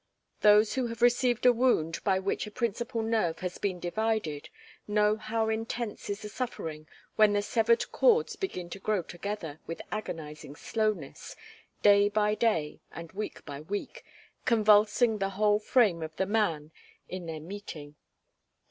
Those who have received a wound by which a principal nerve has been divided, know how intense is the suffering when the severed cords begin to grow together, with agonizing slowness, day by day and week by week, convulsing the whole frame of the man in their meeting.